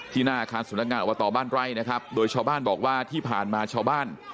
หน้าอาคารสำนักงานอบตบ้านไร่นะครับโดยชาวบ้านบอกว่าที่ผ่านมาชาวบ้าน